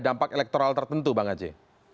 dampak elektoral tertentu mbak gaji